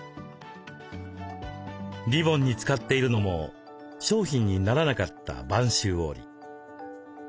リボンに使っているのも商品にならなかった播州織。